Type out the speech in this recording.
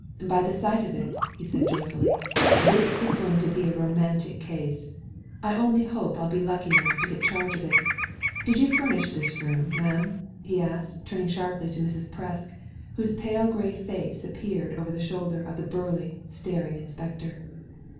" By the sight of it," he said joyfully, " this is going to be a romantic case. I only hope I'll be lucky enough to get charge of it Did you furnish this room, ma'am ?" he asked, turning sharply to Mrs. Presk, whose pale grey face appeared over the shoulder of the burly, staring inspector.